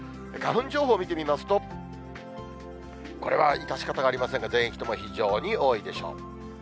花粉情報を見てみますと、これは致し方がありませんが、全域とも非常に多いでしょう。